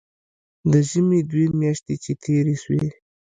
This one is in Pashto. د ژمي دوې مياشتې چې تېرې سوې.